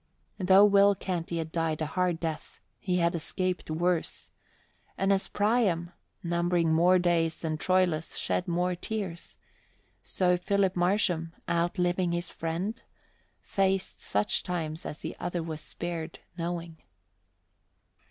Though Will Canty had died a hard death, he had escaped worse; and as Priam, numbering more days than Troilus, shed more tears, so Philip Marsham, outliving his friend, faced such times as the other was spared knowing.